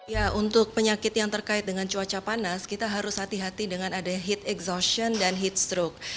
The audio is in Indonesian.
ya untuk penyakit yang terkait dengan cuaca panas kita harus hati hati dengan ada heat exhaustion dan heat stroke